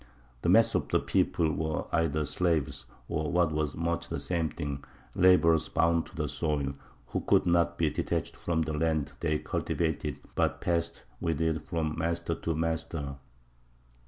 The mass of the people were either slaves, or, what was much the same thing, labourers bound to the soil, who could not be detached from the land they cultivated but passed with it from master to master.